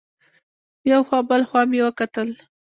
یو خوا بل خوا مې وکتل.